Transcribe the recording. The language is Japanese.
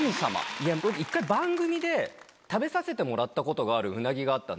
いや僕一回番組で食べさせてもらったことがあるうなぎがあったんですよ。